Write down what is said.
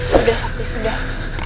sudah sabri sudah